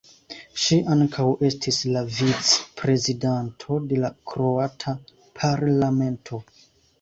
Ŝi ankaŭ estis la vicprezidanto de la Kroata Parlamento.